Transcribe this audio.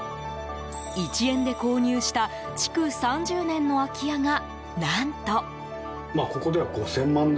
１円で購入した築３０年の空き家が、何と。